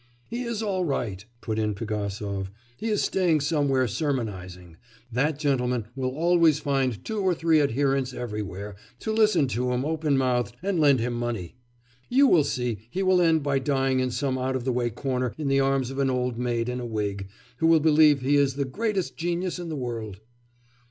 'He is all right!' put in Pigasov. 'He is staying somewhere sermonising. That gentleman will always find two or three adherents everywhere, to listen to him open mouthed and lend him money. You will see he will end by dying in some out of the way corner in the arms of an old maid in a wig, who will believe he is the greatest genius in the world.